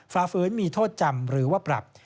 ฝ่าฝืนมีโทษจำหรือว่าปรับ